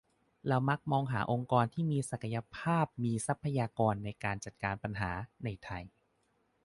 เรามักมองหาองค์กรที่มีศักยภาพมีทรัพยากรในการจัดการปัญหา ในไทย